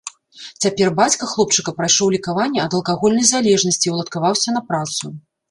Цяпер бацька хлопчыка прайшоў лекаванне ад алкагольнай залежнасці і ўладкаваўся на працу.